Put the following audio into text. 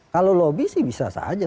kalau lobby sih bisa saja